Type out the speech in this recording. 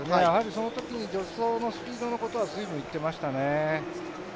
そのときに助走のスピードのことは随分言ってましたね。